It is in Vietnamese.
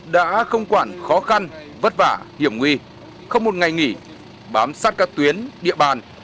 đã không quản khó khăn vất vả hiểm nguy không một ngày nghỉ bám sát các tuyến địa bàn